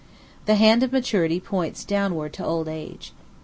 The hand of Maturity points downward to Old Age.